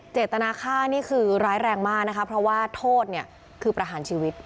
เจตนาค่านี่คือร้ายแรงมากนะคะเพราะว่าโทษเนี่ยคือประหารชีวิต